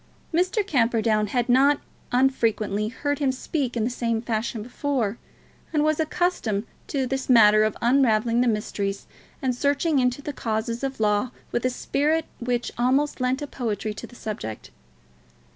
Mr. Camperdown had not unfrequently heard him speak in the same fashion before, and was accustomed to his manner of unravelling the mysteries and searching into the causes of Law with a spirit which almost lent poetry to the subject.